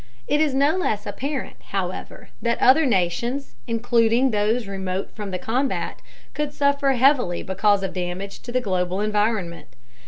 It is no less apparent, however, that other nations, including those remote from the combat, could suffer heavily because of damage to the global environment.